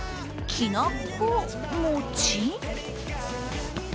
きな粉餅？